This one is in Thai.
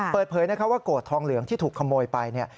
เปิดเผยว่าโกรธทองเหลืองที่ถูกขโมยไป